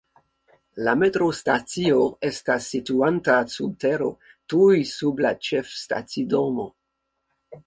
La metrostacio estas situanta sub tero, tuj sub la ĉefstacidomo.